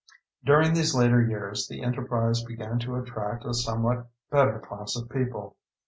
During these later years, the enterprise began to attract a somewhat better class of people.